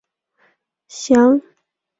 羟基化的过程。